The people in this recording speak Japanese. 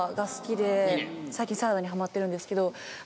最近サラダにハマってるんですけど。